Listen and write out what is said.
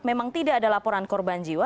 memang tidak ada laporan korban jiwa